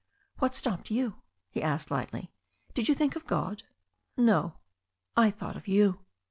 "What stopped you?" he asked lightly. "Did you think of God?" "No. I thought of you."